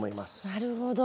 なるほど。